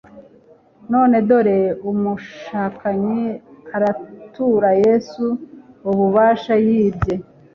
None dore umushukanyi aratura Yesu ububasha yibye.